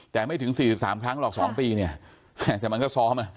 แต่ไม่ถึงสี่สิบสามครั้งหรอกสองปีเนี้ยแต่มันก็ซ้อมน่ะ